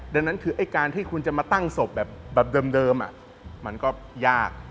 ดังนั้นคือไอ้การที่คุณจะมาตั้งศพแบบเดิมมันก็ยาก